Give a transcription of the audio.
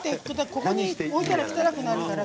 ここに置いたら汚くなるから。